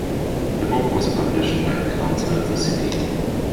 The book was published by the council of the city.